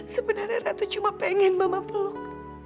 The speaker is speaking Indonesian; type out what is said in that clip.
sebenarnya ratu cuma pengen mama peluk